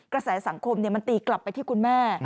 กระแสสังคมมันตีกลับไปที่คุณแม่